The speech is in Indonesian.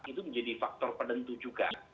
itu menjadi faktor penentu juga